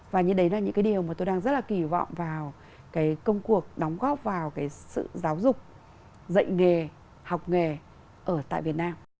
và như đấy là những cái điều mà tôi đang rất là kỳ vọng vào cái công cuộc đóng góp vào cái sự giáo dục dạy nghề học nghề ở tại việt nam